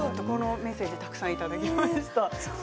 このメッセージたくさんいただきました。